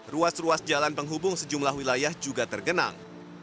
ruas ruas jalan penghubung sejumlah wilayah juga tergenang